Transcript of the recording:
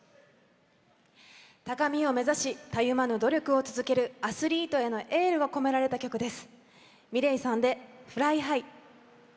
高みを目指したゆまぬ努力を続けるアスリートへのエールが込められた曲です。